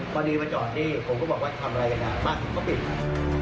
พอดีมาจอดนี่ผมก็บอกว่าทำอะไรกันอ่ะบ้านผมก็ปิดให้